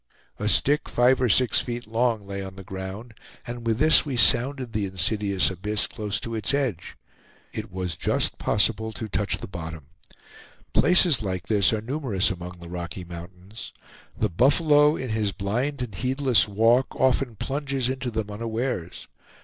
A stick, five or six feet long lay on the ground, and with this we sounded the insidious abyss close to its edge. It was just possible to touch the bottom. Places like this are numerous among the Rocky Mountains. The buffalo, in his blind and heedless walk, often plunges into them unawares.